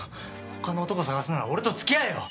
他の男探すなら俺と付き合えよ。